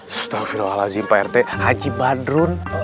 astaghfirullahaladzim pak rt haji badrun